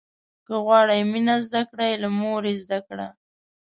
که غواړې مينه زده کړې، له موره يې زده کړه.